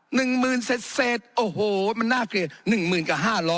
๑หมื่นเศษโอ้โหมันน่าเกลียด๑หมื่นกับ๕๐๐